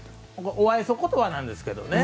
おあいそことばなんですけどね。